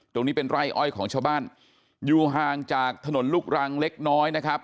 ตรงนี้เป็นไร่อ้อยของชาวบ้านอยู่ห่างจากถนนลูกรังเล็กน้อยนะครับ